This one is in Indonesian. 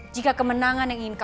jika kemenangan yang inginkan